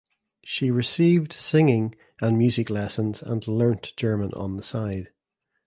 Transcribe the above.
She received singing and music lessons and learnt German on the side.